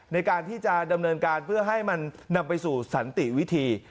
ในการที่จะดำเนินการเพื่อให้มันนำไปสู่สันติวิธี